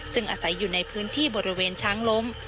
ซึ่งอาศัยอยู่ในพื้นที่บริเวณช้างล้ม